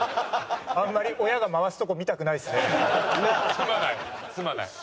あんまり親が回すとこ見たくないですね。